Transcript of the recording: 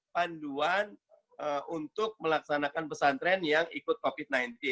panduan untuk melaksanakan pesantren yang ikut covid sembilan belas